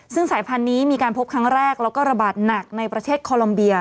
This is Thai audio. ซึ่งสายพันธุ์นี้มีการพบครั้งแรกแล้วก็ระบาดหนักในประเทศคอลอมเบีย